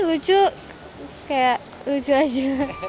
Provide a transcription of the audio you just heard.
lucu kayak lucu aja